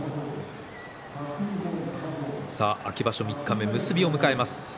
秋場所三日目結びを迎えます。